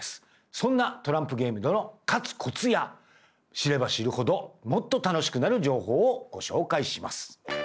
そんなトランプゲームでの勝つコツや知れば知るほどもっと楽しくなる情報をご紹介します。